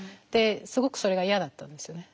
すごくそれが嫌だったんですよね。